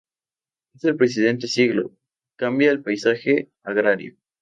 En el presente siglo cambia el paisaje agrario.